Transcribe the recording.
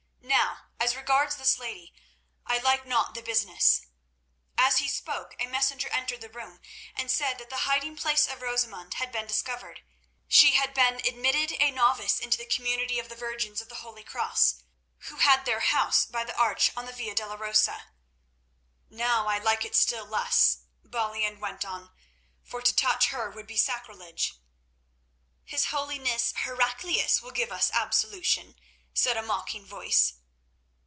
Now as regards this lady, I like not the business—" As he spoke a messenger entered the room and said that the hiding place of Rosamund had been discovered. She had been admitted a novice into the community of the Virgins of the Holy Cross, who had their house by the arch on the Via Dolorosa. "Now I like it still less," Balian went on, "for to touch her would be sacrilege." "His Holiness, Heraclius, will give us absolution," said a mocking voice.